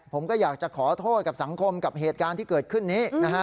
ผมก็อยากจะขอโทษกับสังคมกับเหตุการณ์ที่เกิดขึ้นนี้นะฮะ